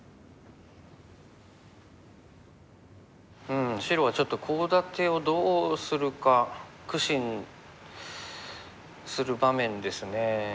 うん白はちょっとコウ立てをどうするか苦心する場面ですね。